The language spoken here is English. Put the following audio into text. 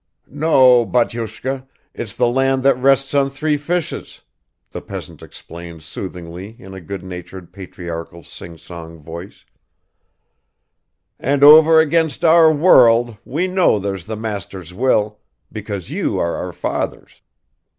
"No, batyushka, it's the land that rests on three fishes," the peasant explained soothingly in a good natured patriarchal sing song voice; "and over against our 'world' we know there's the master's will, because you are our fathers.